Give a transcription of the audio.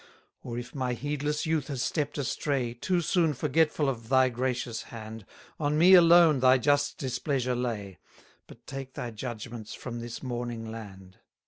265 Or if my heedless youth has stepp'd astray, Too soon forgetful of thy gracious hand; On me alone thy just displeasure lay, But take thy judgments from this mourning land.